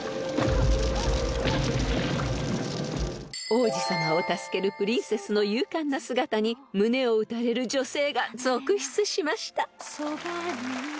［王子様を助けるプリンセスの勇敢な姿に胸を打たれる女性が続出しました］